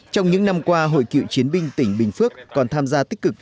trong những năm qua hội cựu chiến binh tỉnh bình phước còn tham gia tích cực